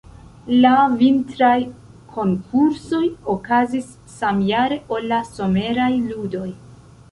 La vintraj konkursoj okazis samjare ol la someraj ludoj.